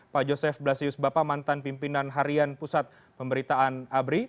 pak joseph blasius bapak mantan pimpinan harian pusat pemberitaan abri